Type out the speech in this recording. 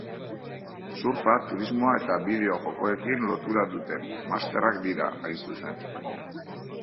Surfa, turismoa eta bideo jokoekin lotura duten masterrak dira, hain zuzen.